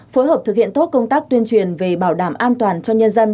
phối hợp thực hiện tốt công tác tuyên truyền về bảo đảm an toàn cho nhân dân